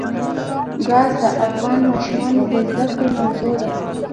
ګاز د افغان ماشومانو د زده کړې موضوع ده.